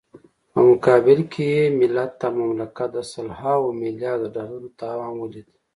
په مقابل کې يې ملت او مملکت د سلهاوو ملیاردو ډالرو تاوان وليد.